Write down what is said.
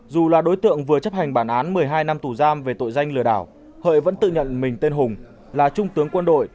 dù là đối tượng vừa chấp hành bản án một mươi hai năm tù giam về tội danh lừa đảo hợi vẫn tự nhận mình tên hùng là trung tướng quân đội